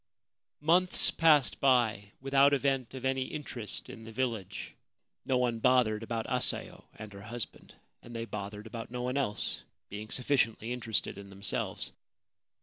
Months passed by without event of any interest in the village. No one bothered about Asayo and her husband ; and they bothered about no one else, being sufficiently interested in themselves.